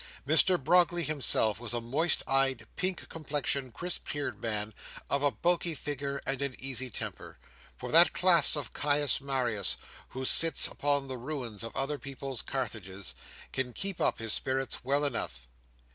Mr Brogley himself was a moist eyed, pink complexioned, crisp haired man, of a bulky figure and an easy temper—for that class of Caius Marius who sits upon the ruins of other people's Carthages, can keep up his spirits well enough.